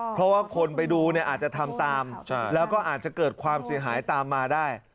เพราะว่าคนไปดูเนี่ยอาจจะทำตามแล้วก็อาจจะเกิดความเสียหายตามมาได้